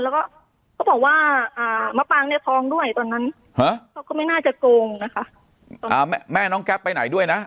แล้วก็เขาบอกว่าอ่ามะปางเนี่ยทองด้วยตอนนั้นเขาก็ไม่น่าจะโกงนะคะอ่าแม่น้องแก๊ปไปไหนด้วยนะ